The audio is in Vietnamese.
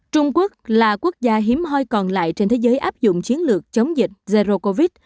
trung quốc là quốc gia hiếm hoi còn lại trên thế giới áp dụng chiến lược chống dịch zero covid